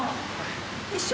一緒？